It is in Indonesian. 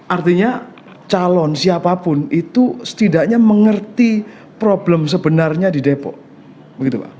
artinya calon siapapun itu setidaknya mengerti problem sebenarnya di depok begitu pak